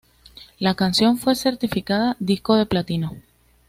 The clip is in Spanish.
La canción fue certificada disco de platino.